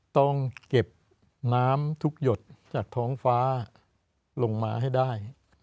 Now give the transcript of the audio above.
ต้องเก็บน้ำทุกหยดจากท้องฟ้าลงมาให้ได้